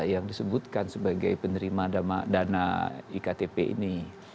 yang disebutkan sebagai penerima dana iktp ini